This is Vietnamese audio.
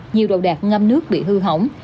nhiều đồ đạc ngâm nước bị hư hỏng